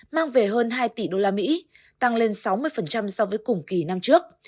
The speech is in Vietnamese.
mang về hơn hai tỷ usd tăng lên sáu mươi so với cùng kỳ năm trước